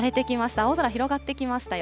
青空広がってきましたよ。